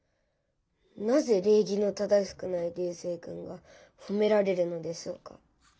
なぜ礼儀の正しくない流星君がほめられるのでしょうか？